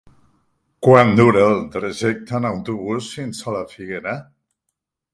Quant dura el trajecte en autobús fins a la Figuera?